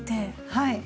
はい。